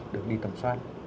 đi tầm soát